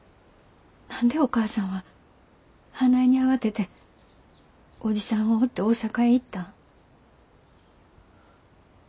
何でお母さんはあないに慌てて伯父さんを追って大阪へ行ったん？